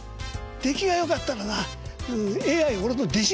「出来がよかったらなＡＩ俺の弟子にするから」。